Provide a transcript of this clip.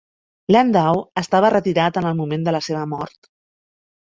Landau estava retirat en el moment de la seva mort.